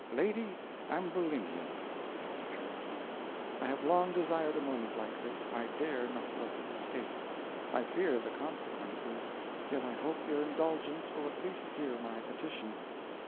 "Lady Ambulinia," said he, trembling, "I have long desired a moment like this. I dare not let it escape. I fear the consequences; yet I hope your indulgence will at least hear my petition.